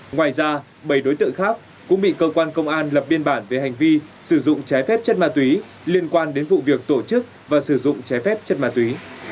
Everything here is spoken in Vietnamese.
ngoài ra bảy đối tượng khác cũng bị cơ quan công an lập biên bản về hành vi sử dụng trái phép chất ma túy liên quan đến vụ việc tổ chức và sử dụng trái phép chất ma túy